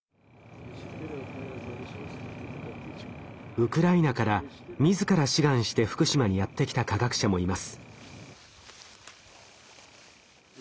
ウクライナから自ら志願して福島にやって来た科学者もいます。